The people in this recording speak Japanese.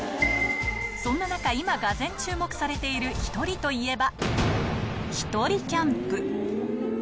そんな中、今がぜん注目されているひとりといえば、ひとりキャンプ。